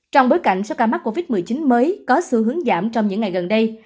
trong bối cảnh số ca mắc covid một mươi chín mới có xu hướng giảm trong những ngày gần đây